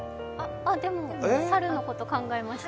でも猿のこと、考えました。